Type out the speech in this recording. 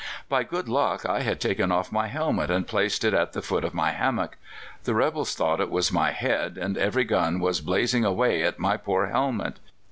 By good luck, I had taken off my helmet and placed it at the foot of my hammock. The rebels thought it was my head, and every gun was blazing away at my poor helmet.